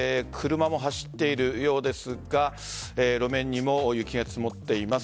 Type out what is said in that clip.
車も走っているようですが路面にも雪が積もっています。